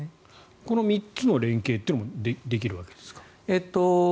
この３つの連携ってのもできるわけですか？